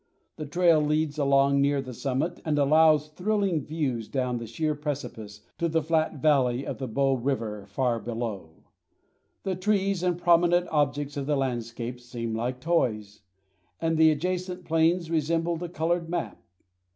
The trail leads along near the summit and allows thrilling views down the sheer precipice to the flat valley of the Bow River far below. The trees and prominent objects of the landscape seem like toys, and the adjacent plains resemble a colored map.